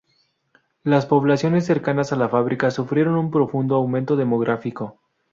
Las poblaciones cercanas a la fábrica sufrieron un profundo aumento demográfico.